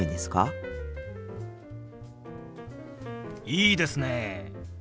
いいですね！